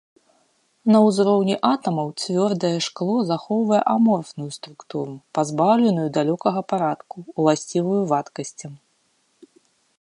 На ўзроўні атамаў цвёрдае шкло захоўвае аморфную структуру, пазбаўленую далёкага парадку, уласцівую вадкасцям.